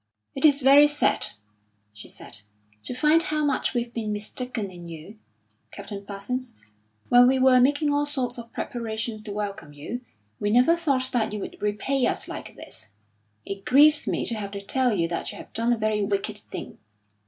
"It's very sad," she said, "to find how much we've been mistaken in you, Captain Parsons. When we were making all sorts of preparations to welcome you, we never thought that you would repay us like this. It grieves me to have to tell you that you have done a very wicked thing.